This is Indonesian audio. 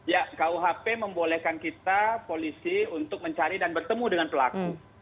ya kuhp membolehkan kita polisi untuk mencari dan bertemu dengan pelaku